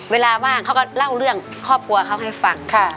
ว่างเขาก็เล่าเรื่องครอบครัวเขาให้ฟัง